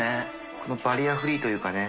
海バリアフリーというかね。